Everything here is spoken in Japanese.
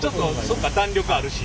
そっか弾力あるし。